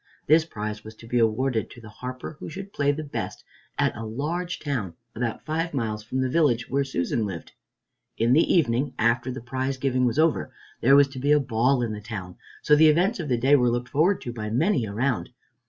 This prize was to be awarded to the harper who should play the best at a large town about five miles from the village where Susan lived. In the evening, after the prize giving was over, there was to be a ball in the town, so the events of the day were looked forward to by many around.